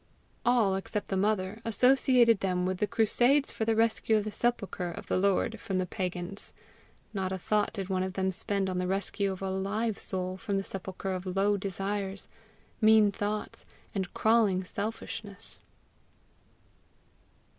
All, except the mother, associated them with the crusades for the rescue of the sepulchre of the Lord from the pagans; not a thought did one of them spend on the rescue of a live soul from the sepulchre of low desires, mean thoughts, and crawling selfishness.